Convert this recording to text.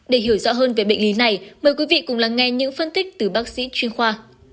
để hiểu rõ hơn về bệnh lý này mời quý vị cùng lắng nghe những phân tích từ bác sĩ chuyên khoa